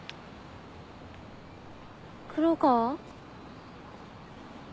黒川。